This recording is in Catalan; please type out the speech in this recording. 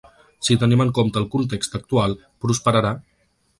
Si tenim en compte el context actual, prosperarà?